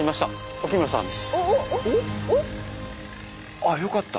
あよかった。